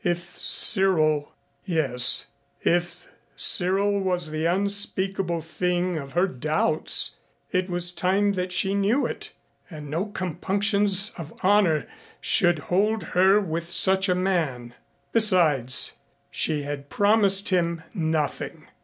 If Cyril Yes, if Cyril was the unspeakable thing of her doubts, it was time that she knew it and no compunctions of honor should hold her with such a man. Besides she had promised him nothing.